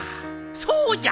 そうじゃ！